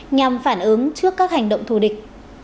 nhằm phản ứng trước các hành động thù địch